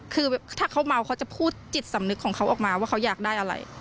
คือถ้าเขาเมาเขาจะพูดจิตสำนึกของเขาออกมาว่าเขาอยากได้อะไร